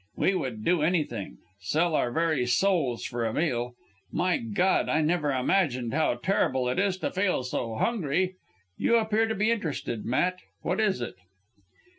We would do anything, sell our very souls for a meal. My God! I never imagined how terrible it is to feel so hungry. You appear to be interested, Matt. What is it?"